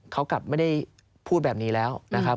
เขากลับไม่ได้พูดแบบนี้แล้วนะครับ